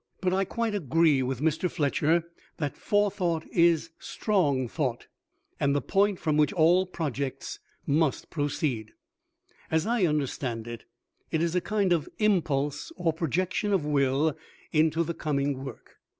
But I quite agree with Mr. FLETCHER that Forethought is strong thought, and the point from which all projects must proceed. As I understand it, it is a kind of impulse or projection of will into the coming work.